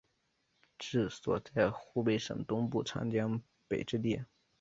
治所在湖北省东部长江北之地。